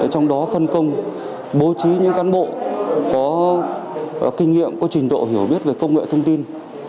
trong đó phân công bố trí những cán bộ có kinh nghiệm có trình độ hiểu biết về công nghệ thông tin